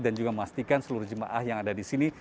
dan juga memastikan seluruh jemaah yang ada di sini